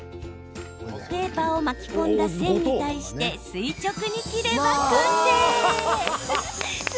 ペーパーを巻き込んだ線に対して垂直に切れば完成。